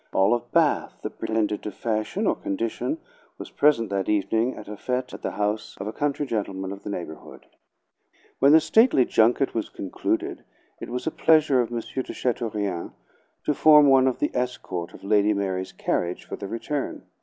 All of Bath that pretended to fashion or condition was present that evening at a fete at the house of a country gentleman of the neighborhood. When the stately junket was concluded, it was the pleasure of M. de Chateaurien to form one of the escort of Lady Mary's carriage for the return.